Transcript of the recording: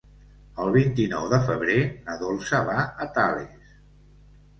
El vint-i-nou de febrer na Dolça va a Tales.